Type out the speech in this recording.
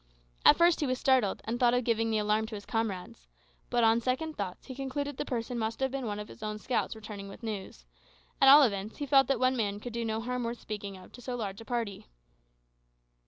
At first he was startled, and thought of giving the alarm to his comrades; but on second thoughts he concluded the person must have been one of his own scouts returned with news; at all events, he felt that one man could do no harm worth speaking of to so large a party.